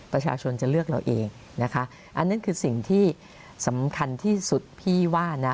ประชาชนจะเลือกเราเองนะคะอันนั้นคือสิ่งที่สำคัญที่สุดพี่ว่านะ